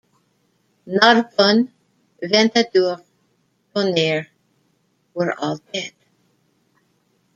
Narbonne, Ventadour, Tonnerre were all dead.